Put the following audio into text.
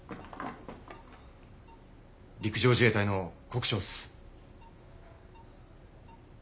陸上自衛隊の国生っす。